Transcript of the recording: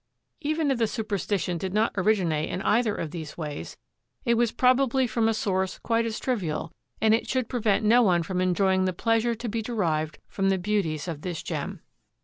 Even if the superstition did not originate in either of these ways it was probably from a source quite as trivial and it should prevent no one from enjoying the pleasure to be derived from the beauties of this gem.